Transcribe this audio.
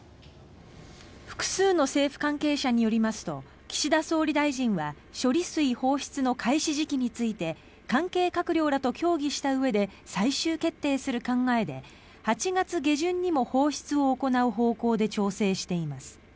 複数の政府関係者によりますと岸田総理大臣は処理水放出の開始時期について関係閣僚らと協議したうえで最終決定する考えで８月下旬にも放出を行う方向で調整しています。